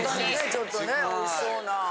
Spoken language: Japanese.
ちょっとねおいしそうな。